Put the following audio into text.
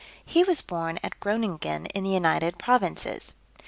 He was born at Groninghen in the United Provinces.